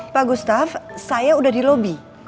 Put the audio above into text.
pak gustaf saya udah di lobi